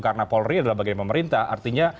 karena polri adalah bagian pemerintah artinya